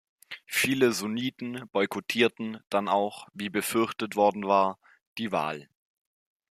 Viele Sunniten boykottierten dann auch, wie befürchtet worden war, die Wahl.